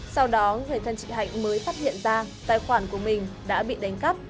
sau đó người thân chị hạnh mới phát hiện ra tài khoản của mình đã bị đánh cắp